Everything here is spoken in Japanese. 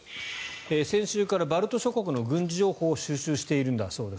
先週からバルト諸国の軍事情報を収集しているんだそうです。